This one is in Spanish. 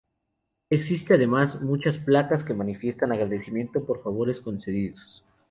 Existe además muchas placas que manifiestan el agradecimiento por favores concedidos.